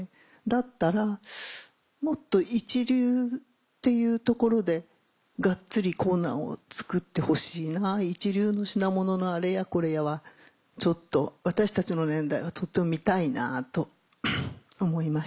だったらもっと一流っていうところでがっつりコーナーを作ってほしいな一流の品物のあれやこれやはちょっと私たちの年代はとても見たいなと思いました。